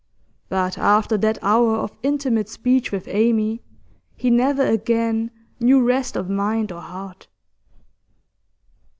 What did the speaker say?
But after that hour of intimate speech with Amy, he never again knew rest of mind or heart.